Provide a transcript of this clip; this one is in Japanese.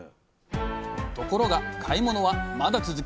ところが買い物はまだ続きます。